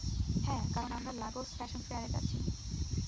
হ্যা, কারন আমরা লাগোস ফ্যাশন ফেয়ারে যাচ্ছি।